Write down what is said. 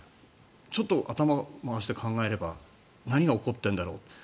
ちょっと頭を回して考えれば何が起こっているんだろうと。